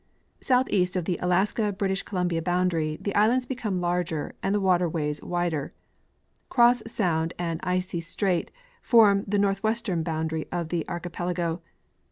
Southeast of the Alaska British Columbia boundary the islands beconae larger and the waterways wider. Cross sound and Icy strait form the northwestern boundary of the archipelago.